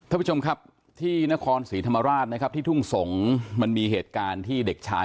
ท่านผู้ชมครับที่นครศรีธรรมราชนะครับที่ทุ่งสงศ์มันมีเหตุการณ์ที่เด็กชาย